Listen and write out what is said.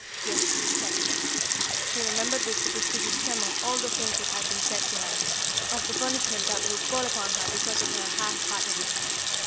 Yes Sarita!" She remembered with superstitious tremor all the things that had been said to her of the punishment that would fall upon her because of her hard heartedness.